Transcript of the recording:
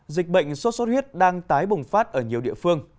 dịch bệnh sốt sốt huyết đang tái bùng phát ở nhiều địa phương